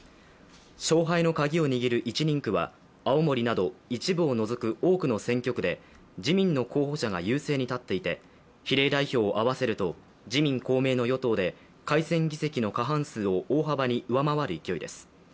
勝敗のカギを握る１人区は青森など一部を除く多くの選挙区で自民の候補者が優勢に立っていて、比例代表を合わせると自民・公明の与党で改選議席の過半数を大幅に上回る勢いです。